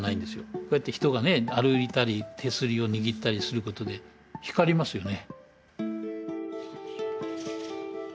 こうやって人がね歩いたり手すりを握ったりすることで光りますよね。